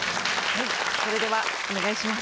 それではお願いします。